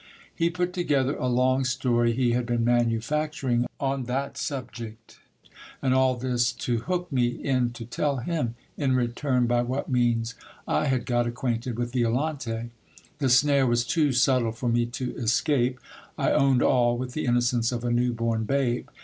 He put together a 204 GIL BLAS. long story he had been manufacturing on that subject, and all this to hook me in to tell him, in return, by what means I had got acquainted with Violante. The snare was too subtle for me to escape ; I owned all with the innocence of a new born babe.